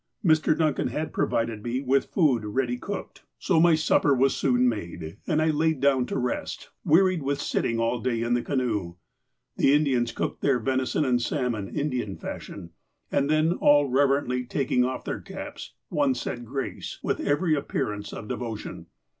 Mr Duncan had provided me with food ready cooked, so my sup 234 THE APOSTLE OF ALASKA per was soon made, and I laid down to rest, wearied with sitting all day in the canoe. The Indians cooked their venison and salmon, Indian fashion, and then, all reverently taking off their caps, one said grace, with every appearance of devotion.